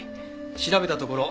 調べたところ